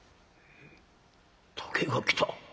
「竹が来た？